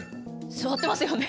座ってますよね。